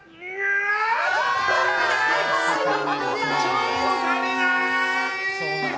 ちょっと足りない。